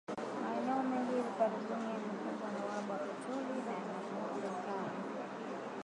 Maeneo mengi hivi karibuni yamekumbwa na uhaba wa petroli na yanapopatikana